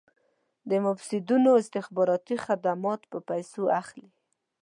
د مفسدانو استخباراتي خدمات په پیسو اخلي.